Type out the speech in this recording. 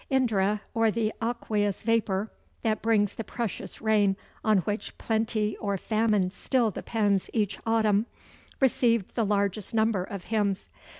Indra, or the Aqueous Vapor, that brings the precious rain on which plenty or famine still depends each autumn, received the largest number of hymns.